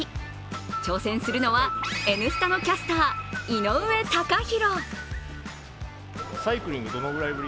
挑戦するのは「Ｎスタ」のキャスター・井上貴博。